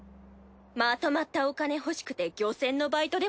まとまったお金欲しくて漁船のバイトでもする気？